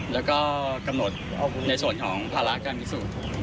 แล้วก็กำหนดในส่วนของภาระการพิสูจน์